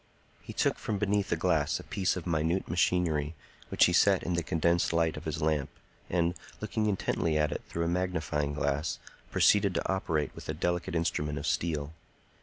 He took from beneath a glass a piece of minute machinery, which he set in the condensed light of his lamp, and, looking intently at it through a magnifying glass, proceeded to operate with a delicate instrument of steel.